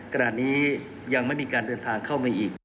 ขณะนี้ยังไม่มีการเดินทางเข้ามาอีก